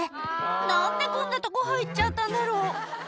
「何でこんなとこ入っちゃったんだろう」